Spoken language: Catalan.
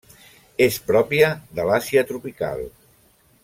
És pròpia de l'Àsia tropical.